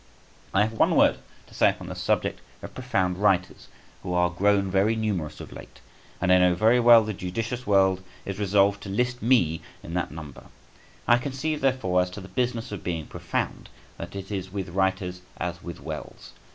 I have one word to say upon the subject of profound writers, who are grown very numerous of late, and I know very well the judicious world is resolved to list me in that number. I conceive, therefore, as to the business of being profound, that it is with writers as with wells.